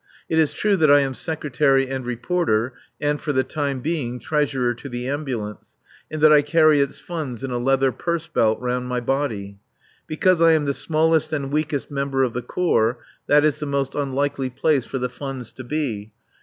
It is true that I am Secretary and Reporter and (for the time being) Treasurer to the Ambulance, and that I carry its funds in a leather purse belt round my body. Because I am the smallest and weakest member of the Corps that is the most unlikely place for the funds to be.